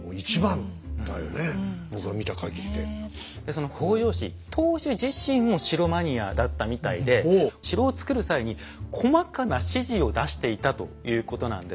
その北条氏当主自身も城マニアだったみたいで城を造る際に細かな指示を出していたということなんです。